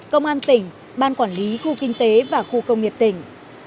công an tỉnh ban quản lý khu kinh tế và khu công nghiệp tỉnh